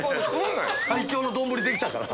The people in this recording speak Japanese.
最強の丼できたから。